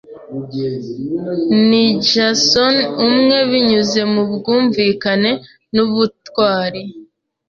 Ni Jason umwe binyuze mubwumvikane n'ubutwari